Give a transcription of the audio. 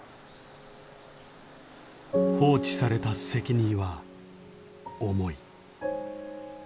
放置された責任は重い。